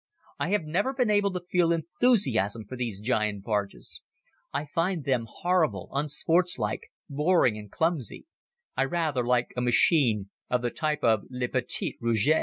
I have never been able to feel enthusiasm for these giant barges. I find them horrible, unsportsmanlike, boring and clumsy. I rather like a machine of the type of "le petit rouge."